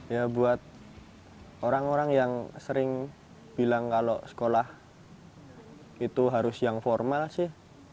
ya buat orang orang yang sering bilang kalau sekolah itu harus yang formal sih